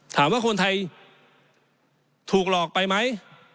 ถามว่าคนไทยถูกหลอกไปไหม